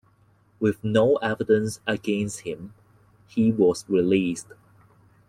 With no evidence against him, he was released.